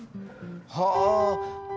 はあ。